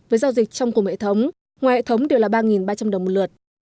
với giao dịch trong cùng hệ thống ngoài hệ thống đều là ba ba trăm linh đồng một lượt